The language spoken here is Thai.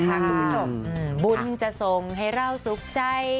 คุณผู้ชมบุญจะส่งให้เราสุขใจ